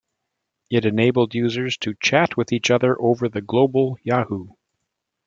It enabled users to chat with each other over the global Yahoo!